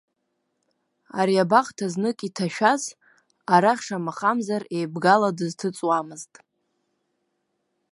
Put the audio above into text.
Ари абахҭа знык инҭашәаз, арахь шамахамзар, еибгала дызҭыҵуамызт.